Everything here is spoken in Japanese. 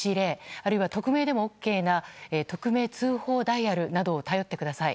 あるいは匿名でもＯＫな匿名通報ダイヤルなどを頼ってください。